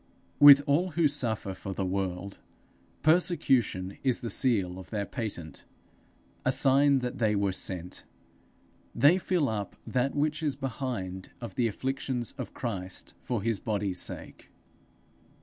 With all who suffer for the world, persecution is the seal of their patent, a sign that they were sent: they fill up that which is behind of the afflictions of Christ for his body's sake.